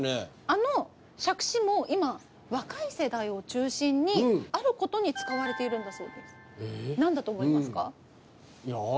あの杓子も今若い世代を中心にあることに使われているんだそうですえ？